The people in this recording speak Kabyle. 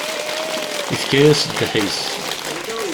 Yefka-yas ddḥis.